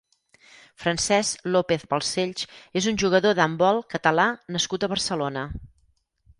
Francesc López Balcells és un jugador d'hanbdol catal̟à nascut a Barcelona.